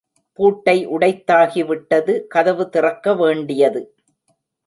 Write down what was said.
பூட்டை உடைத்தாகிவிட்டது கதவு திறக்க வேண்டியது.